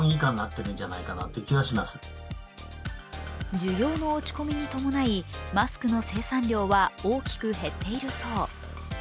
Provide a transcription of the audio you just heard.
需要の落ち込みに伴いマスクの生産量は大きく減っているそう。